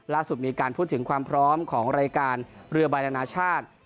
ล่าสุดมีการพูดถึงความพร้อมของรายการเรือใบนานาชาติ